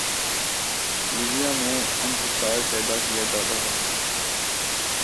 Libya میں انتشار پیدا کیا جاتا ہے۔